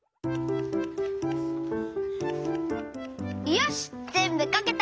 よしぜんぶかけた。